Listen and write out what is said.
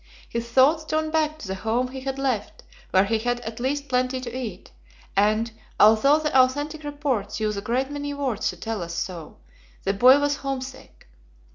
His thoughts turned back to the home he had left, where he had at least plenty to eat, and, although the "authentic reports" use a great many words to tell us so, the boy was homesick.